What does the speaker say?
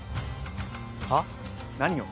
はぁ？何を？